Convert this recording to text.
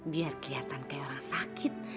biar kelihatan kayak orang sakit